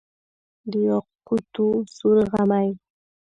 د یاقوتو سور غمی،